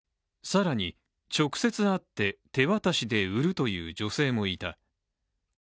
更に、直接会って手渡しで売るという女性もいた。